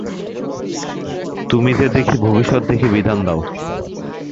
তুমি যে দেখি ভবিষ্যৎ দেখে বিধান দাও।